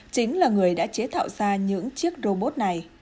chính là người đã chế tạo ra những chiếc robot này